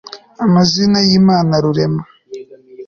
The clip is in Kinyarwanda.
AMAZINA Y IMANA RUREMA